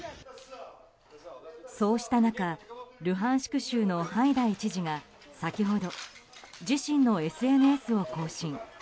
そうした中、ルハンシク州のハイダイ知事が先ほど自身のＳＮＳを更新。